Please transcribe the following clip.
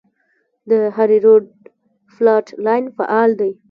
د هریرود فالټ لاین فعال دی